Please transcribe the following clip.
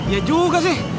iya juga sih